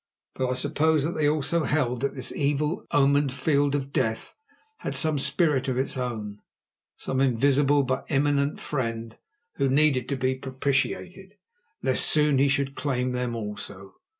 But I suppose that they also held that this evil omened field of death had some spirit of its own, some invisible but imminent fiend, who needed to be propitiated, lest soon he should claim them also.